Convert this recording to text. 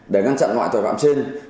để ngăn chặn ngoại tội phạm trên